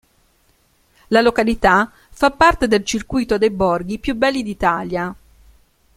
La località fa parte del circuito dei borghi più belli d'Italia.